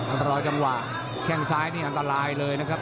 อันตรายกันหว่าแข่งซ้ายนี่อันตรายเลยนะครับ